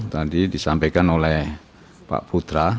tadi disampaikan oleh pak putra